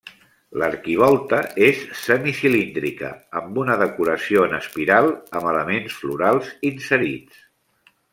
L'arquivolta és semicilíndrica amb una decoració en espiral, amb elements florals inserits.